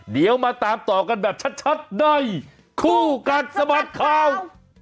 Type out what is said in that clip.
เดี๋ยวมาตามต่อกันแบบชัดในคู่กัดสะบัดข่าว